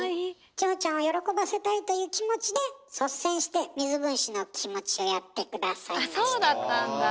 千穂ちゃんを喜ばせたいという気持ちで率先して水分子の気持ちをやって下さいました。